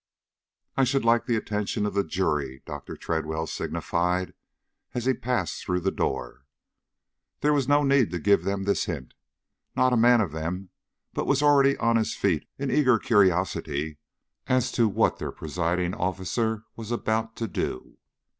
"I should like the attention of the jury," Dr. Tredwell signified as he passed through the door. There was no need to give them this hint. Not a man of them but was already on his feet in eager curiosity as to what their presiding officer was about to do.